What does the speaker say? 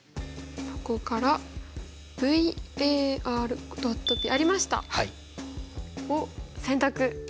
ここからＶＡＲ．Ｐありました！を選択。